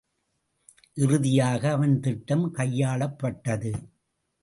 இறுதியாக அவன் திட்டம் கையாளப்பட்டது.